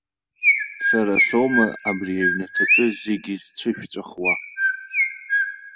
Сара соума абри аҩнаҭаҿы зегьы зцәышәҵәахуа?!